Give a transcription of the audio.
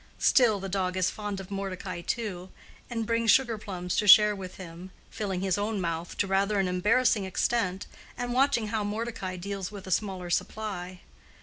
Still, the dog is fond of Mordecai too, and brings sugar plums to share with him, filling his own mouth to rather an embarrassing extent, and watching how Mordecai deals with a smaller supply.